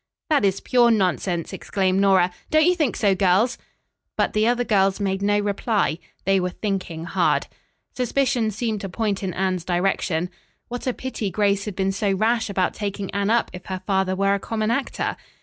"That is pure nonsense," exclaimed Nora. "Don't you think so, girls?" But the other girls made no reply. They were thinking hard. Suspicion seemed to point in Anne's direction. What a pity Grace had been so rash about taking Anne up if her father were a common actor.